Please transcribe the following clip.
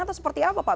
atau seperti apa pak